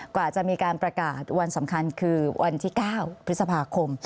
กว่าจะมีการประกาศวันสำคัญคือวันที่๙พฤษภาคม